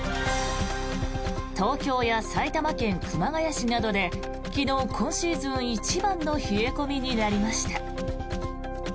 東京や埼玉県熊谷市などで昨日、今シーズン一番の冷え込みになりました。